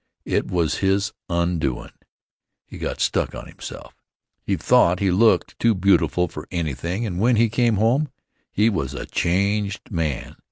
It was his undoin'. He got stuck on himself. He thought he looked too beautiful for anything, and when he came home he was a changed man.